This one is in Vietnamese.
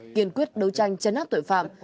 kiên quyết đấu tranh chấn áp tội phạm